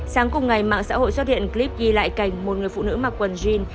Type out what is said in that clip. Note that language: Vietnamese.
sáng cùng ngày mạng xã hội xuất hiện clip ghi lại cảnh một người phụ nữ mặc quần jean